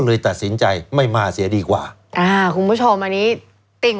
เลยตัดสินใจไม่มาเสียดีกว่าอ่าคุณผู้ชมอันนี้ติ่ง